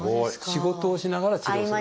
仕事をしながら治療をすると。